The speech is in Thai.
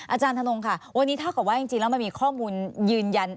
อาจารย์ธนงค่ะวันนี้เท่ากับว่าจริงแล้วมันมีข้อมูลยืนยัน